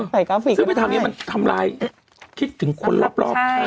ใส่กราฟิกซึ่งไม่ทำเนี้ยมันทำลายเอ๊ะคิดถึงคนรอบรอบใช่